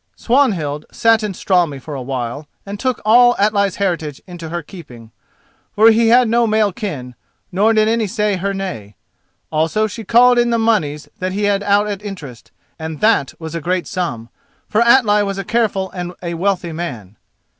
Swanhild sat in Straumey for a while, and took all Atli's heritage into her keeping, for he had no male kin; nor did any say her nay. Also she called in the moneys that he had out at interest, and that was a great sum, for Atli was a careful and a wealthy man.